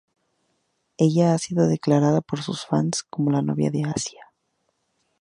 Ella ha sido declarada por sus fans como la novia de Asia.